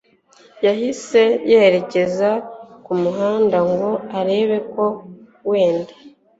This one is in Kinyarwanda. yahise yerekeza kumuhanda ngo arebe ko wenda